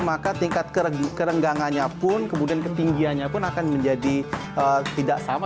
maka tingkat kerenggangannya pun kemudian ketinggiannya pun akan menjadi tidak sama